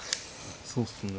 そうっすね。